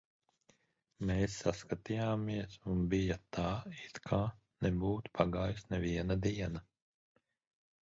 Mēs saskatījāmies, un bija tā, it kā nebūtu pagājusi neviena diena.